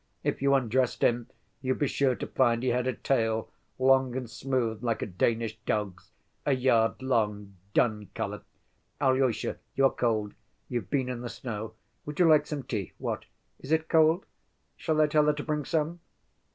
If you undressed him, you'd be sure to find he had a tail, long and smooth like a Danish dog's, a yard long, dun color.... Alyosha, you are cold. You've been in the snow. Would you like some tea? What? Is it cold? Shall I tell her to bring some?